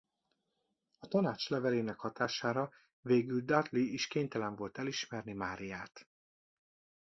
A tanács levelének hatására végül Dudley is kénytelen volt elismerni Máriát.